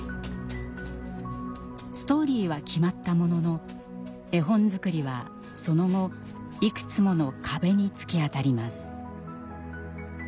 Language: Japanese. ストーリーは決まったものの絵本作りはその後いくつもの壁に突き当たります。